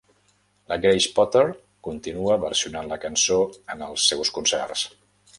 La Grace Potter continua versionant la cançó en els seus concerts.